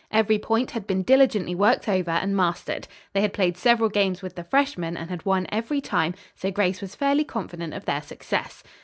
Every point had been diligently worked over and mastered. They had played several games with the freshmen and had won every time, so Grace was fairly confident of their success.